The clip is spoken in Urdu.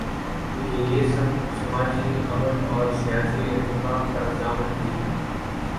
بلکہ یہ سماجی امن اور سیاسی ارتقا کا ضامن بھی ہے۔